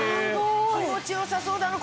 気持ち良さそうだな